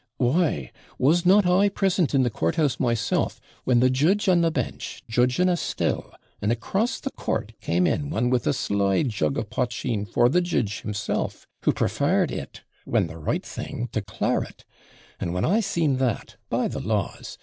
'Why! was not I PRISINT in the court house myself, when the JIDGE on the bench judging a still, and across the court came in one with a sly jug of POTSHEEN for the JIDGE himself, who prefarred it, when the right thing, to claret; and when I SEEN that, by the laws!